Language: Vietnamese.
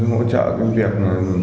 hỗ trợ công việc